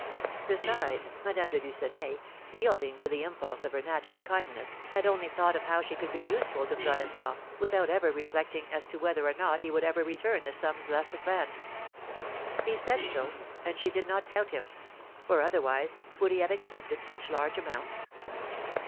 Besides, Madame de Lucenay, yielding to the impulse of her natural kindness, had only thought of how she could be useful to Florestan, without ever reflecting as to whether or not he would ever return the sums thus advanced. He said so, and she did not doubt him; for, otherwise, would he have accepted such large amounts?